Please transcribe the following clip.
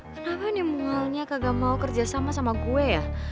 kenapa nih mualnya nggak mau kerja sama sama gue ya